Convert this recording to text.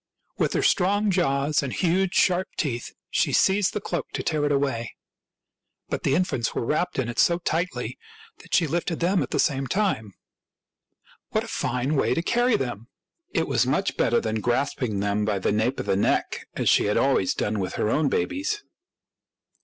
With her strong jaws and huge, sharp teeth she seized the cloak to tear it away. But the infants were wrapped in it so tightly that she lifted them at the same time. What a fine way to carry them ! It was much better than grasping them by the nape of the neck as she had always done with her own babies.